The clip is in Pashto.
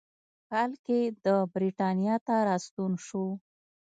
کال کې د برېټانیا ته راستون شو.